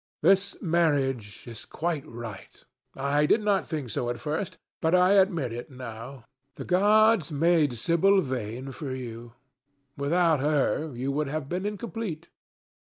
This marriage is quite right. I did not think so at first, but I admit it now. The gods made Sibyl Vane for you. Without her you would have been incomplete."